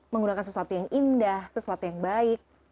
menggunakan sesuatu yang indah sesuatu yang baik